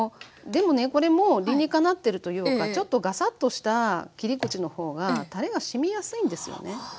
でもねこれも理にかなってるというかちょっとがさっとした切り口の方がたれがしみやすいんですよね